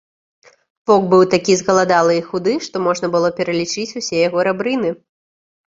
Воўк быў такі згаладалы і худы, што можна было пералічыць усе яго рабрыны.